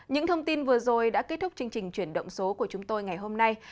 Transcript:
những thông tin vừa rồi đã kết thúc chương trình chuyển động số của chúng tôi ngày hôm nay